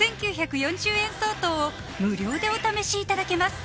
５９４０円相当を無料でお試しいただけます